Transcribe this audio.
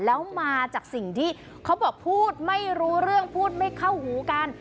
แล้วมาจากสิ่งที่เขาบอกพูดไม่รู้เรื่องพูดไม่เข้าหูกัน